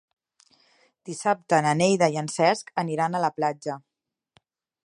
Dissabte na Neida i en Cesc aniran a la platja.